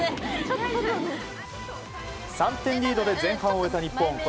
３点リードで前半を終えた日本。